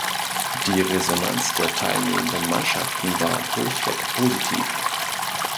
Die Resonanz der teilnehmenden Mannschaften war durchweg positiv.